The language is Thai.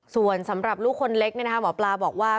ส่วนสำหรับลูกคนเล็กหมอปลาบอกว่า